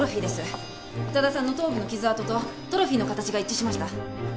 宇多田さんの頭部の傷痕とトロフィーの形が一致しました。